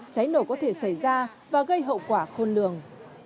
cháy nổ có thể xảy ra và gây hậu quả khôn lường